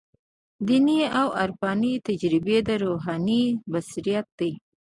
دیني او عرفاني تجربې د روحاني بصیرت دي.